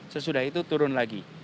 sesudah itu turun lagi